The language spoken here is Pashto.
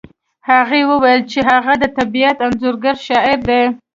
هغې وویل چې هغه د طبیعت انځورګر شاعر دی